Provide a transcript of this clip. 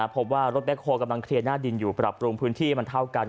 พบว่ารถแคลกำลังเคลียร์หน้าดินอยู่ปรับปรุงพื้นที่มันเท่ากัน